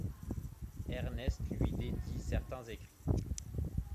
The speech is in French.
Ernst lui dédie certains écrits.